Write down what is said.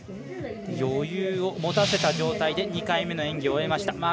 余裕を持たせた状態で２回目の演技を終えました。